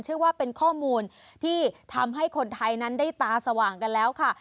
เชื่อว่าเป็นข้อมูลที่ทำให้คนไทยนั้นได้ตาสว่างกันแล้วค่ะ